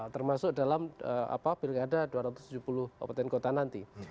termasuk dalam pilkada dua ratus tujuh puluh kabupaten kota nanti